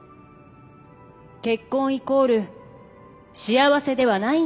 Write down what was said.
結婚イコール幸せではないんです。